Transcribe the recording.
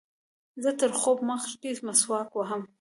زه تر خوب مخکښي مسواک وهم.